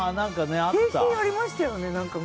景品ありましたよね、昔。